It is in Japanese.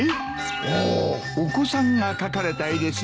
おーお子さんが描かれた絵ですね。